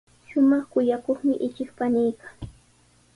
Shumaq kuyakuqmi ichik paniiqa.